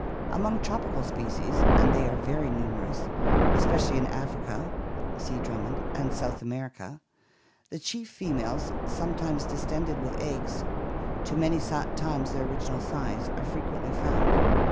Among tropical species — and they are very numerous, especially in Africa (see Drummond) and South America — the chief females, sometimes distended with eggs to many times their original size,1 are frequently found.